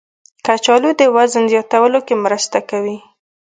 کچالو د وزن زیاتولو کې مرسته کوي.